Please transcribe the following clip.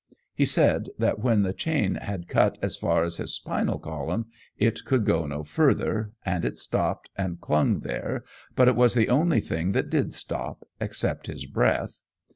He said that when the chain had cut as far as his spinal column it could go no farther, and it stopped and clung there, but it was the only thing that did stop, except his breath.